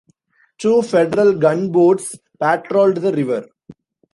Two Federal gunboats patrolled the river.